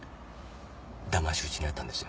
だまし討ちに遭ったんですよ